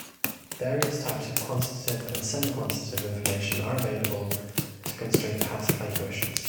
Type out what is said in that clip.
Various types of quantitative and semi-quantitative information are available to constrain past plate motions.